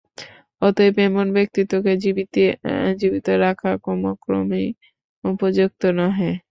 অতএব এমন ব্যক্তিকে জীবিত রাখা কোম ক্রমেই উপযুক্ত নহে।